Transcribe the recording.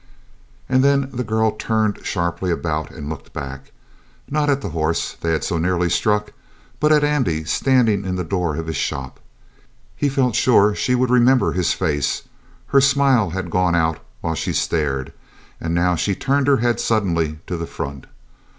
And then the girl turned sharply about and looked back, not at the horse they had so nearly struck, but at Andy standing in the door of his shop. He felt sure that she would remember his face; her smile had gone out while she stared, and now she turned her head suddenly to the front.